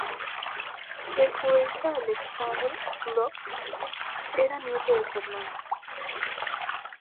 El poeta Aleksandr Blok era nieto de su hermano.